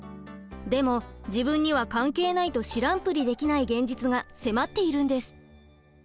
でも自分には関係ないと知らんぷりできない現実が迫っているんです。